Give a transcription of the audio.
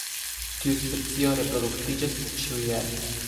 Tiu specio reproduktiĝas ĉiujare.